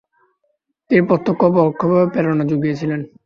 তিনি প্রত্যক্ষ ও পরোক্ষভাবে প্রেরণা যুগিয়েছেন।